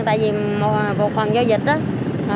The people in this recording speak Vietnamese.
tại vì một phần do dịch